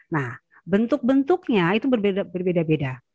nah bentuk bentuknya itu berbeda beda